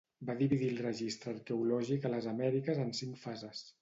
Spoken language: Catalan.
Van dividir el registre arqueològic a les Amèriques en cinc fases.